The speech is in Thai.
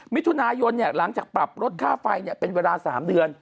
มิถุนายนหลังจากปรับลดค่าไฟเป็นเวลา๓เดือน